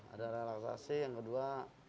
ada relaksasi yang kedua